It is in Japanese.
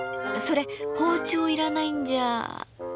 それ包丁いらないんじゃ。